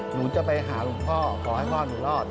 หนูจะไปหาหลวงพ่อขอให้พ่อหนูรอด